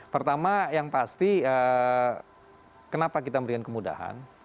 pertama yang pasti kenapa kita memberikan kemudahan